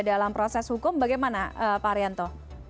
dalam proses hukum bagaimana pak haryanto